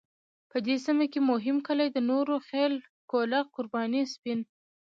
په دې سیمه کې مهم کلی د نوره خیل، کولک، قرباني، سپین .